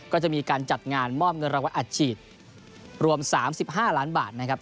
ก็จะมีการจัดงานมอบเงินรางวัลอัดฉีดรวม๓๕ล้านบาทนะครับ